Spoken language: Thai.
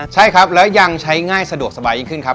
ใช่ครับแล้วยังใช้ง่ายสะดวกสบายยิ่งขึ้นครับ